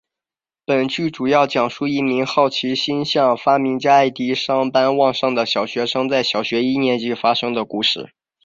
本剧主要讲述一名好奇心像发明家爱迪生般旺盛的小学生在小学一年级发生的故事。